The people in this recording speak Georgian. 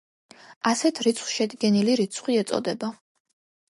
ასეთ რიცხვს შედგენილი რიცხვი ეწოდება.